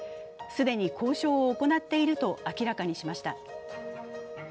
既に交渉を行っていると明らかにしました。